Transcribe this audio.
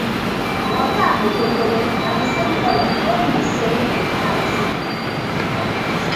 Water and ogogoro na the same colour, no mean say na the same: